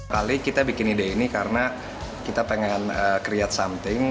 kali kita bikin ide ini karena kita pengen create something